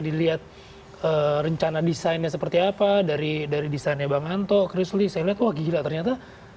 dilihat rencana desainnya seperti apa dari dari desainnya bang anto chris lee saya lihat wah gila ternyata